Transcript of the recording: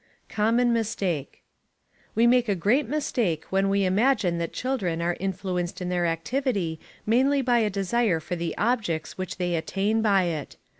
Common Mistake. We make a great mistake when we imagine that children are influenced in their activity mainly by a desire for the objects which they attain by it.